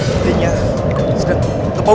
intinya sudah takut